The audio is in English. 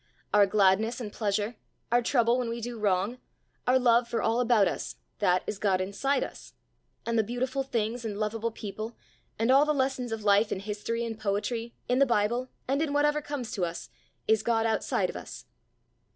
Our gladness and pleasure, our trouble when we do wrong, our love for all about us, that is God inside us; and the beautiful things and lovable people, and all the lessons of life in history and poetry, in the Bible, and in whatever comes to us, is God outside of us.